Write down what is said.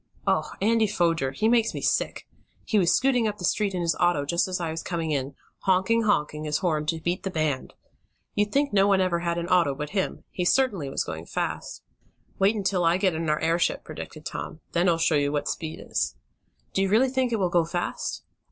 "Oh, Andy Foger! He makes me sick! He was scooting up the street in his auto just as I was coming in, 'honking honking' his horn to beat the band! You'd think no one ever had an auto but him. He certainly was going fast." "Wait until I get in our airship," predicted Tom. "Then I'll show you what speed is!" "Do you really think it will go fast?"